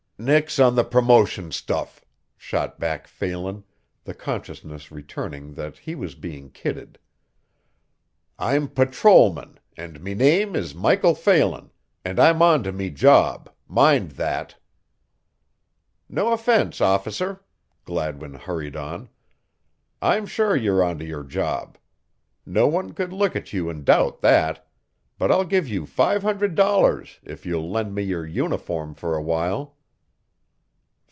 "Nix on the promotion stuff," shot back Phelan, the consciousness returning that he was being kidded. "I'm patrolman and me name is Michael Phelan, and I'm onto me job mind that!" "No offense, officer," Gladwin hurried on. "I'm sure you're onto your job. No one could look at you and doubt that but I'll give you five hundred dollars if you'll lend me your uniform for awhile."